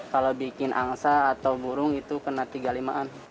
kalau bikin angsa atau burung itu kena tiga puluh lima an